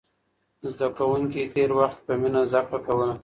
زده کوونکي تېر وخت کې په مینه زده کړه کوله.